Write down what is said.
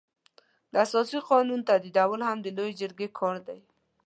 د اساسي قانون تعدیلول هم د لويې جرګې کار دی.